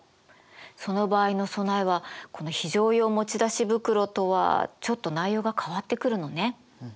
その場合の備えはこの非常用持ち出し袋とはちょっと内容が変わってくるのね。